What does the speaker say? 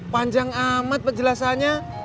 panjang amat penjelasannya